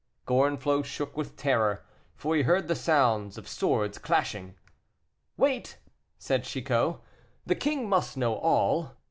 Gorenflot shook with terror, for he heard the sounds of swords clashing. "Wait," said Chicot, "the king must know all."